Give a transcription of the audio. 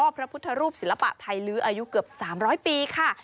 พระพุทธรูปศิลปะไทยลื้ออายุเกือบ๓๐๐ปีค่ะ